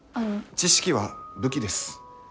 知識は武器です。